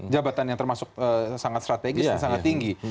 jabatan yang termasuk sangat strategis dan sangat tinggi